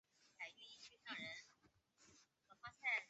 高州会馆的历史年代为清代。